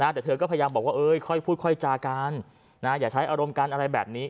แต่เธอก็พยายามบอกว่าค่อยพูดค่อยจากันอย่าใช้อารมณ์กันอะไรแบบนี้